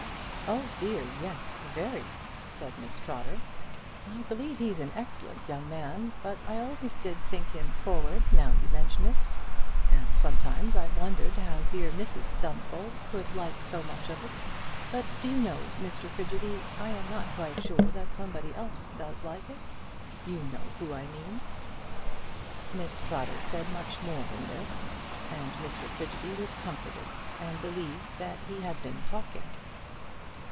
"Oh dear yes, very," said Miss Trotter. "I believe he's an excellent young man, but I always did think him forward, now you mention it. And sometimes I've wondered how dear Mrs Stumfold could like so much of it. But do you know, Mr Frigidy, I am not quite sure that somebody else does like it. You know who I mean." Miss Trotter said much more than this, and Mr Frigidy was comforted, and believed that he had been talking.